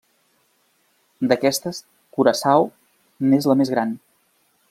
D'aquestes, Curaçao n'és la més gran.